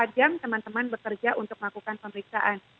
empat jam teman teman bekerja untuk melakukan pemeriksaan